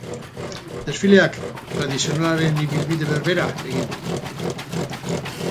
Desfileak tradizionalaren ibilbide berbera egin du.